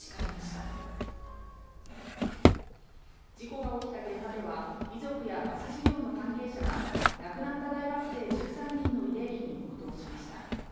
事故が起きた現場では、遺族やバス事業の関係者が、亡くなった大学生１３人の慰霊碑に黙とうしました。